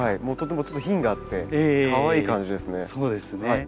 もうとても品があってかわいい感じですね。